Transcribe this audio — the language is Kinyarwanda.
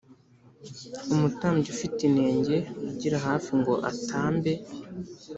umutambyi ufite inenge wigira hafi ngo atambe